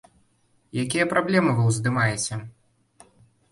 Якія праблемы вы ўздымаеце?